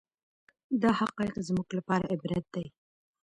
دا حقایق زموږ لپاره عبرت دي.